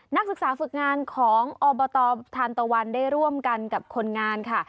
นักศึกษาฝึกงานของอบตทานตะวันได้ร่วมกันกับคนงานค่ะ